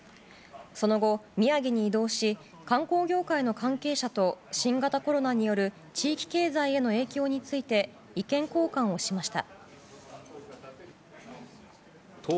その後、宮城に移動し観光業界の関係者と新型コロナによる地域経済への影響について意見交換をしました。